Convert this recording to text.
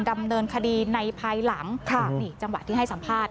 ดำเนินคดีในภายหลังค่ะนี่จังหวะที่ให้สัมภาษณ